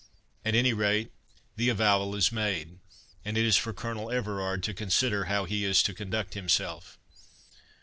At any rate, the avowal is made; and it is for Colonel Everard to consider how he is to conduct himself."